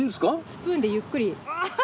スプーンでゆっくり。